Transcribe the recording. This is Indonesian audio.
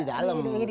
itu di dalam